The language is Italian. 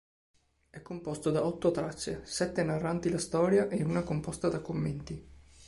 È composto da otto tracce, sette narranti la storia e una composta da commenti.